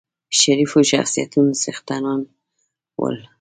شریفو شخصیتونو څښتنان ول.